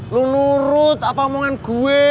lu nurut apa omongan gue